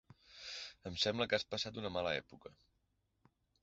Em sembla que has passat una mala època.